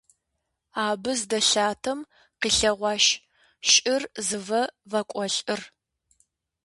Абы здэлъатэм къилъэгъуащ щӀыр зывэ вакӀуэлӀыр.